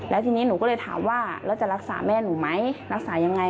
แล้วทีนี้หนูก็เลยถามว่าแล้วจะรักษาแม่หนูไหมรักษายังไง